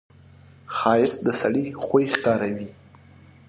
ښایست د سړي خوی ښکاروي